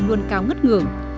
luôn cao ngất ngưỡng